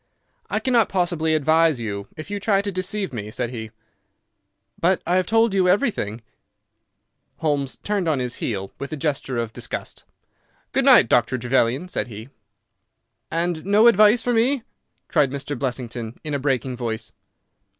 "I cannot possibly advise you if you try to deceive me," said he. "But I have told you everything." Holmes turned on his heel with a gesture of disgust. "Good night, Dr. Trevelyan," said he. "And no advice for me?" cried Blessington, in a breaking voice.